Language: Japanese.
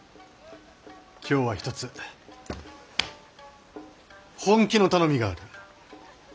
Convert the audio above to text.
今日は一つ本気の頼みがある。